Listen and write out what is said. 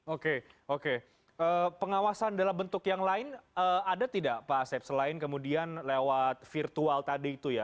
oke oke pengawasan dalam bentuk yang lain ada tidak pak asep selain kemudian lewat virtual tadi itu ya